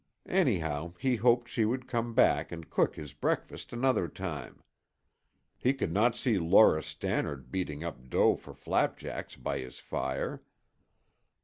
Anyhow, he hoped she would come back and cook his breakfast another time. He could not see Laura Stannard beating up dough for flapjacks by his fire.